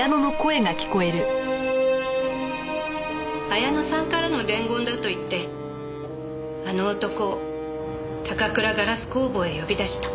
彩乃さんからの伝言だと言ってあの男を高倉ガラス工房へ呼び出した。